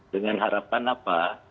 dengan harapan apa